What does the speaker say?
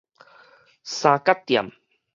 三角店